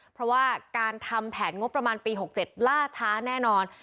เพราะว่าการทำแผนงบประมาณปี๖๗ล่าช้าแน่นอน